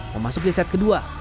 memasuki set kedua